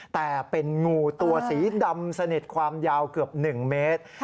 แต่เป็นงูตัวสีดำสนิทความยาวเกือบ๑เมตร